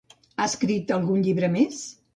Ha escrit algun llibre més?